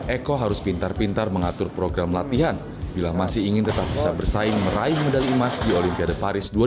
eko harus pintar pintar mengatur program latihan bila masih ingin tetap bisa bersaing meraih medali emas di olimpiade paris dua ribu dua puluh